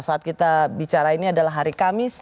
saat kita bicara ini adalah hari kamis